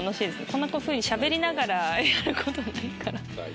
こんなふうにしゃべりながらやることない。